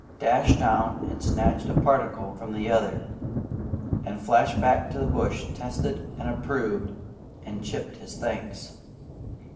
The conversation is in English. dashed down and snatched a particle from the other, and flashed back to the bush, tested, approved, and chipped his thanks.